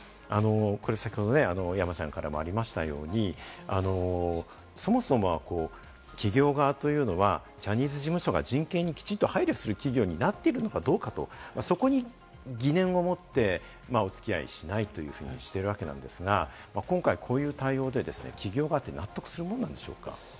先ほど、山ちゃんからもありましたように、そもそも企業側というのは、ジャニーズ事務所が人権にきちんと配慮する企業になっているのかどうかとそこに疑念を持ってお付き合いしないというふうにしてるわけなんですが、今回こういう対応で企業側は納得するものなんでしょうか？